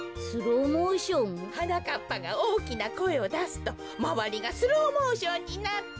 はなかっぱがおおきなこえをだすとまわりがスローモーションになって。